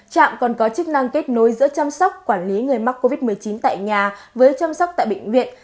trạm còn có chức năng kết nối giữa chăm sóc quản lý người mắc covid một mươi chín tại nhà với chăm sóc tại bệnh viện